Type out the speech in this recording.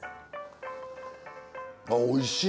あおいしい。